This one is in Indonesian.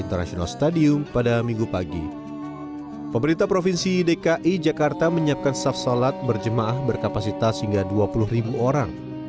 pemirsa provinsi dki jakarta menyiapkan staff solat berjemaah berkapasitas hingga dua puluh orang